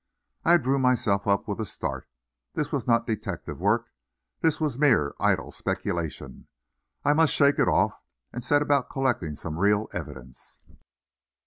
I drew myself up with a start. This was not detective work. This was mere idle speculation. I must shake it off, and set about collecting some real evidence.